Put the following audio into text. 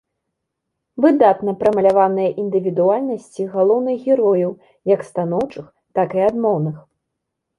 Выдатна прамаляваныя індывідуальнасці галоўных герояў, як станоўчых, так і адмоўных.